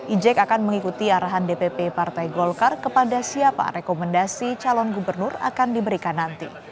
ijek akan mengikuti arahan dpp partai golkar kepada siapa rekomendasi calon gubernur akan diberikan nanti